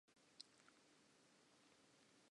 The day to leave finally rolled around.